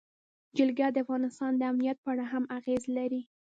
جلګه د افغانستان د امنیت په اړه هم اغېز لري.